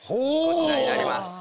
こちらになります。